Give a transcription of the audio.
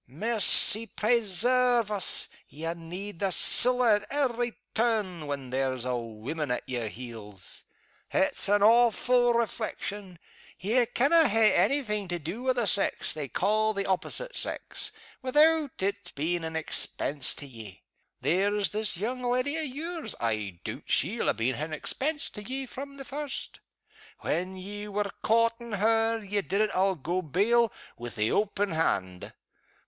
Mercy presairve us! ye need the siller at every turn, when there's a woman at yer heels. It's an awfu' reflection ye canna hae any thing to do wi' the sex they ca' the opposite sex without its being an expense to ye. There's this young leddy o' yours, I doot she'll ha' been an expense to ye from the first. When you were coortin' her, ye did it, I'll go bail, wi' the open hand.